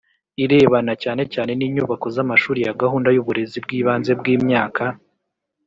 Irebana cyane cyane n inyubako z amashuri ya gahunda y uburezi bw ibanze bw imyaka